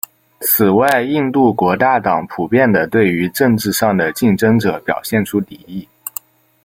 此外印度国大党普遍地对于政治上的竞争者表现出敌意。